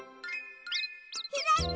ひらいた！